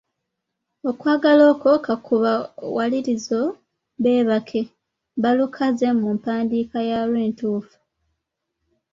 Okwagala okwo kakubawalirize beekakabe, balukaze mu mpandiika yaalwo entuufu.